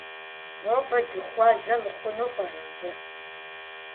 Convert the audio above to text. Нобэ дыхуэзэ мыхъуну пӀэрэ абы?